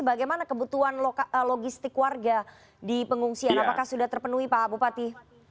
bagaimana kebutuhan logistik warga di pengungsian apakah sudah terpenuhi pak bupati